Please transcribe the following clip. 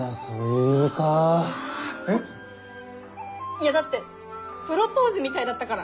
いやだってプロポーズみたいだったから。